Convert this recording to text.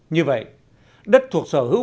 như vậy đất thuộc sở hữu